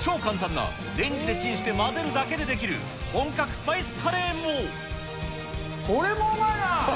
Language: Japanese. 超簡単なレンジでチンして混ぜるだけで出来る、本格スパイスカレこれもうまいな。